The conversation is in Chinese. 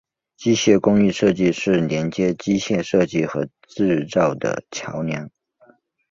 机械工艺设计是连接机械设计和制造的桥梁。